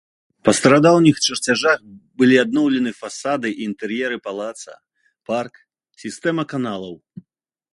Па старадаўніх чарцяжах былі адноўлены фасады і інтэр'еры палаца, парк, сістэма каналаў.